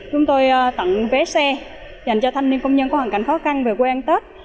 chúng tôi tặng vé xe dành cho thanh niên công nhân có hoàn cảnh khó khăn về quê ăn tết